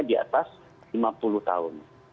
di atas lima puluh tahun